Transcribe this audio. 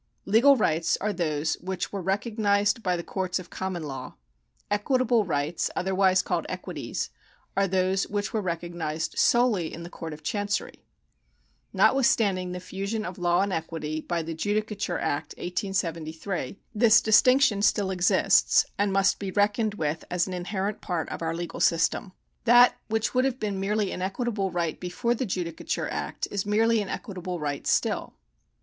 Legal rights are those which were recognised by the courts of common law. Equitable rights (otherwise called equities) are those which were recognised solely in the Court of Chancery. Notwith standing the fusion of law and equity by the Judicatm e Act, 1873, this distinction still exists, and must be reckoned with as an inherent part of our legal system. That which 218 THE KINDS OF LEGAL RIGHTS [§ 85 would have been merely an equitable right before the Judicature Act is merely an equitable right still.